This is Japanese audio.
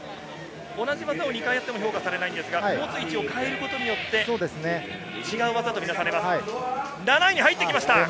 同じ技を２回やっても評価されませんが、持つ位置を変えることによって、違う技と評価されます。